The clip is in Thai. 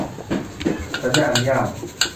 สัญญาอนุญาต